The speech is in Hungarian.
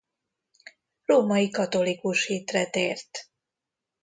Római katolikus hitre tért.